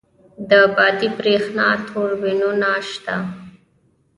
د بادی بریښنا توربینونه شته؟